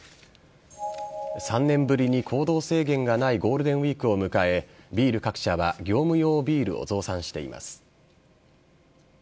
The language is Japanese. ３年ぶりに行動制限がないゴールデンウイークを迎えビール各社は業務用ビールを増産しています。